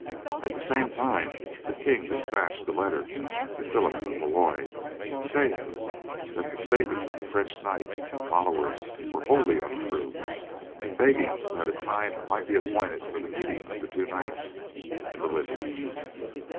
At the same time the king despatched a letter to Phillip of Valois saying that the statements of the French knight and followers were wholly untrue, and begging that a time might be appointed for the meeting of the two knights in the lists.